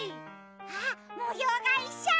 あっもようがいっしょ！